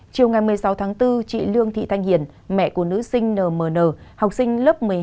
chiều ngày một mươi sáu tháng bốn chị lương thị thanh hiền mẹ của nữ sinh nm học sinh lớp một mươi hai